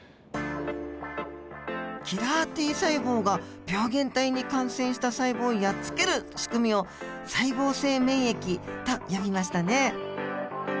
キラーＴ細胞が病原体に感染した細胞をやっつけるしくみを細胞性免疫と呼びましたね。